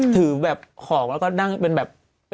ถือแบบของแล้วก็นั่งเป็นแบบ